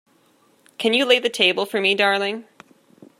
Can you lay the table for me, darling?